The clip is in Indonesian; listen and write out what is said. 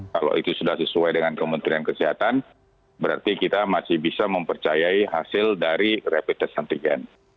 kalau itu sudah sesuai dengan kementerian kesehatan berarti kita masih bisa mempercayai hasil dari rapid test antigen